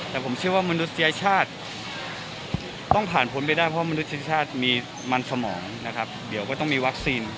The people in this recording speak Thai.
แต่ผมเชื่อว่ามนุษยชาติต้องผ่านพ้นไปได้เพราะมนุษยชาติมีมันสมองนะครับเดี๋ยวก็ต้องมีวัคซีน